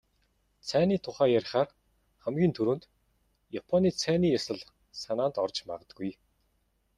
Цайны тухай ярихаар хамгийн түрүүнд "Японы цайны ёслол" санаанд орж магадгүй.